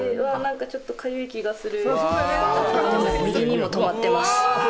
ちょっと、かゆい気がする。